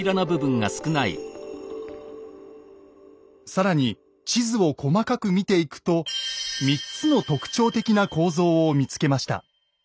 更に地図を細かく見ていくと３つの特徴的な構造を見つけました。